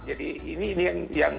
jadi ini yang